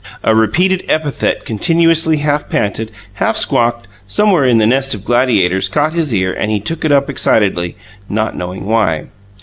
A repeated epithet continuously half panted, half squawked, somewhere in the nest of gladiators, caught his ear, and he took it up excitedly, not knowing why.